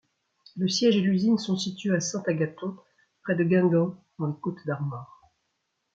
Le siège et l'usine sont situés à Saint-Agathon, près de Guingamp dans les Côtes-d'Armor.